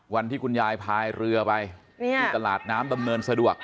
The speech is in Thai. วันที่คุณยายพายเรือไปที่ตลาดน้ำดำเนินสะดวก